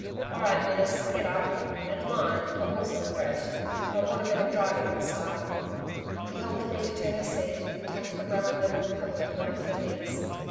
'All right, Ninnis. Get up. And mind, the horses are fresh. They'll want a bit of driving at the start.' He helped Bridget to her seat, tucked the brown linen coverlet round her knees.